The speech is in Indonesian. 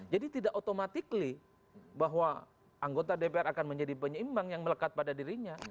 jadi tidak otomatik bahwa anggota dpr akan menjadi penyeimbang yang melekat pada dirinya